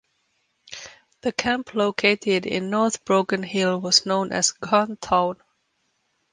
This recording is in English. The camp located in north Broken Hill was known as Ghan Town.